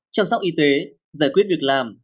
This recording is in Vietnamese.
chăm sóc y tế giải quyết việc làm